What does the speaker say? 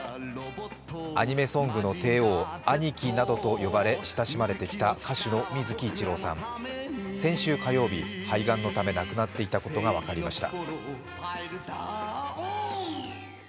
アニメソングの帝王、アニキなどと呼ばれ親しまれてきた歌手の水木一郎さん、先週火曜日、肺がんのため亡くなっていたことが分かりました。